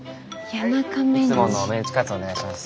いつものメンチカツお願いします。